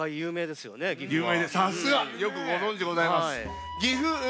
さすが！よくご存じでございます。